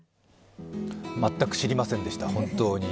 全く知りませんでした、本当に。